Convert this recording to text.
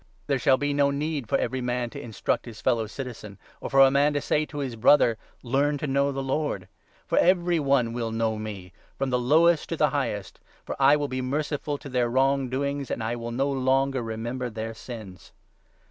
There shall be no need for every man to instruct his fellow n citizen, Or for a man to say to his Brother ' Learn to know the Lord '; For every one will know me, From the lowest to the highest. For I will be merciful to their wrong doing's, 12 And I will no longer remember their sins."